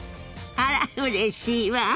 あらうれしいわ。